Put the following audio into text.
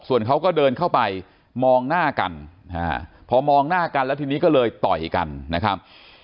ส่วนเขาก็เดินเข้าไปมองหน้ากันพอมองหน้ากันแล้วทีนี้ก็เลยต่อยกันนะครับ